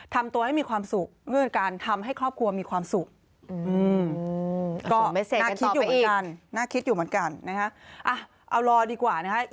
ทำตัวให้มีความสุข